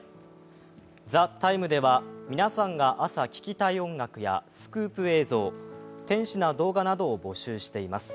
「ＴＨＥＴＩＭＥ，」では皆さんが朝聴きたい音楽やスクープ映像、天使な動画などを募集しています。